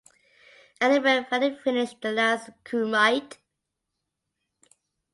Ademir finally finished the last kumite.